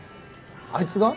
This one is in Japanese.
あいつが？